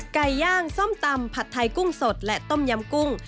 ไก่ย่างส้มตำผัดไทยกุ้งสดและต้มยำกุ้ง